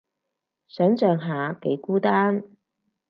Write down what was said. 想像下幾孤單